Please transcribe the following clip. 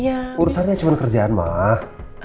urusannya cuma kerjaan mah